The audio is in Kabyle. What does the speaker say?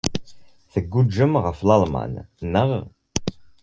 Tguǧǧem ɣer Lalman, naɣ?